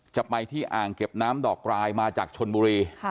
จะไปที่อ่างเก็บน้ำดอกกรายมาจากชนบุรี